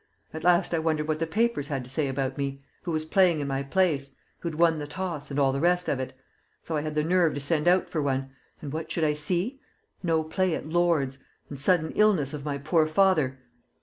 At last I wondered what the papers had to say about me who was playing in my place, who'd won the toss and all the rest of it. So I had the nerve to send out for one, and what should I see? 'No play at Lord's' and sudden illness of my poor old father!